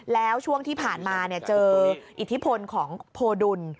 แล้วช่วงที่ผ่านมาเจออิทธิพลของโพดุล